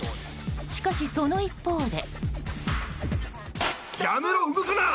しかし、その一方で。